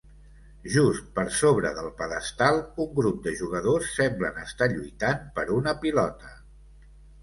Just per sobre del pedestal, un grup de jugadors semblen estar lluitant per una pilota.